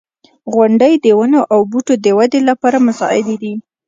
• غونډۍ د ونو او بوټو د ودې لپاره مساعدې دي.